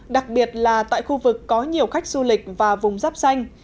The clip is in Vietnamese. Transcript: đặc biệt là tại khu vực có nhiều khách du lịch và vùng giáp xanh